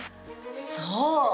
そう。